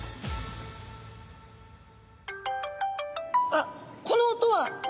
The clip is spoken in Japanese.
あっこの音は！